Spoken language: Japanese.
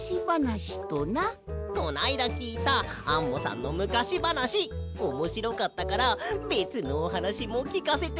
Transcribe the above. こないだきいたアンモさんのむかしばなしおもしろかったからべつのおはなしもきかせて。